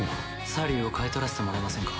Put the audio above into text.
サリューを買い取らせてもらえませんか。